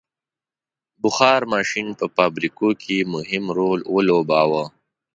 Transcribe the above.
• بخار ماشین په فابریکو کې مهم رول ولوباوه.